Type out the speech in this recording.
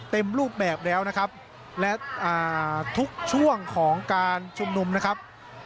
เต็มรูปแบบแล้วนะครับและทุกช่วงของการชุมนุมนะครับ